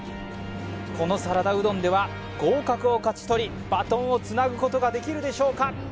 このサラダうどんでは合格を勝ち取りバトンをつなぐことができるでしょうか？